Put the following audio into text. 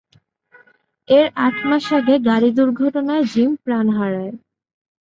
এর আট মাস আগে গাড়ি দুর্ঘটনায় জিম প্রাণ হারায়।